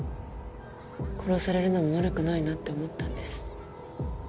殺されるのも悪くないなって思ったんです